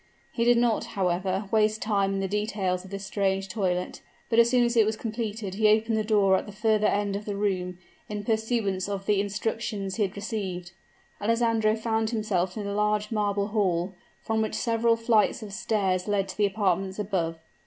He did not, however, waste time in the details of this strange toilet; but as soon as it was completed he opened the door at the further end of the room, in pursuance of the instructions he had received. Alessandro found himself in a large marble hall, from which several flights of stairs led to the apartments above.